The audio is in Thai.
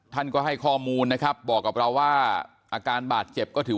ท่านก็ให้ข้อมูลนะครับบอกกับเราว่าอาการบาดเจ็บก็ถือ